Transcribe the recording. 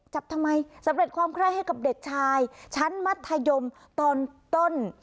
ทำไมสำเร็จความไคร้ให้กับเด็กชายชั้นมัธยมตอนต้น